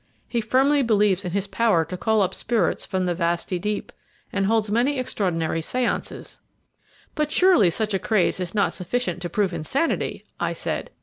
He firmly believes in his power to call up spirits from the vasty deep, and holds many extraordinary séances." "But surely such a craze is not sufficient to prove insanity!" I said.